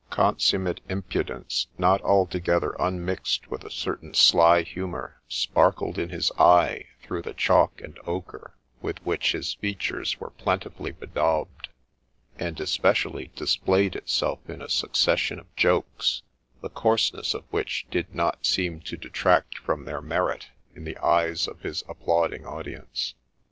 Consummate impudence, not altogether unmixed with a certain sly humour, sparkled hi his eye through the chalk and ochre with which his features were plentifully bedaubed ; and especially displayed itself in a succession of jokes, the coarseness of which did not seem to detract from their merit in the eyes of his ap plauding audience.